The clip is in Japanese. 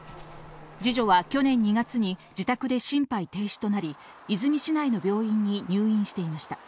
二女は去年２月に自宅で心肺停止となり、和泉市内の病院に入院していました。